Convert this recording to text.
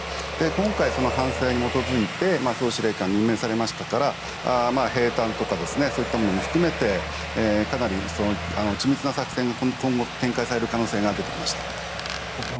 今回、その反省に基づいて総司令官が任命されましたから兵站とかそういったものも含めてかなり緻密な作戦が今後、展開される可能性が出てきました。